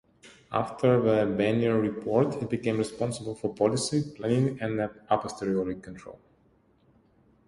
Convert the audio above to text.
After the Bannier Report it became responsible for policy, planning and "a posteriori" control.